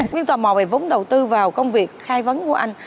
nhưng tò mò về vốn đầu tư vào công việc khai vấn của anh